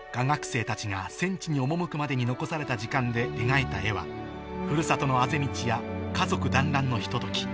生たちが戦地に赴くまでに残された時間で描いた絵はふるさとのあぜ道や家族だんらんのひと時